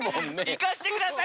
いかせてください